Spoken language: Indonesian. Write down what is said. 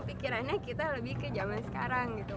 pikirannya kita lebih ke zaman sekarang gitu